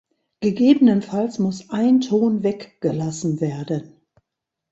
Gegebenenfalls muss ein Ton weggelassen werden.